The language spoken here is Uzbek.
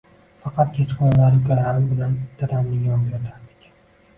Faqat kechqurunlari ukalarim bilan dadamning yonida yotardik.